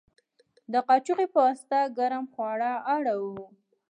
د کاچوغې په واسطه ګرم خواړه اړوو.